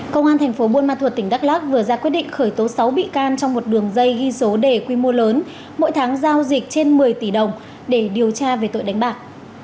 công an thành phố buôn ma thuột tỉnh đắk lắc vừa ra quyết định khởi tố sáu bị can trong một đường dây ghi số đề quy mô lớn mỗi tháng giao dịch trên một mươi tỷ đồng để điều tra về tội đánh bạc